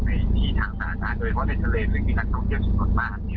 ในที่ทางสาธารณ์โดยก็ในทะเลซึ่งที่นั่นก็เยอะจริงมาก